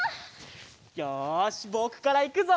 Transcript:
よしぼくからいくぞ！